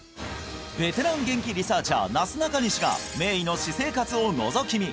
ベテランゲンキリサーチャーなすなかにしが名医の私生活をのぞき見！